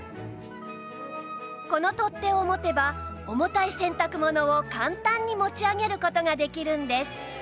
この取っ手を持てば重たい洗濯物を簡単に持ち上げる事ができるんです